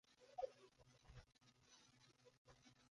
Most of it is in the Firth Park ward.